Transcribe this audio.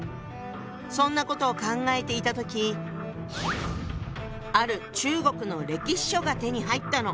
そんなことを考えていた時ある中国の歴史書が手に入ったの。